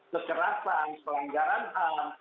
kekerasan pelenggaran hal